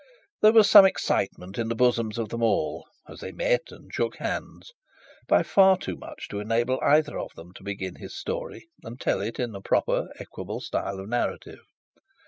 There was some excitement in the bosoms of them all, as they met and shook hands; but far too much to enable either of them to begin his story and tell it in a proper equable style of narrative.